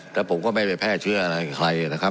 แต่ผมก็ไม่ไปแพร่เชื่อใครนะครับ